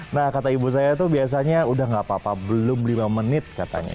nah kata ibu saya tuh biasanya udah gak apa apa belum lima menit katanya